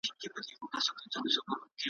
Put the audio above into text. ډنبار په شپاړس کلني کي `